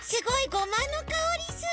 ごまのかおりする！